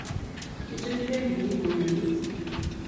Itunikei kenyit ne nyonei